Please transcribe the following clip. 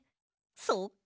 そっか。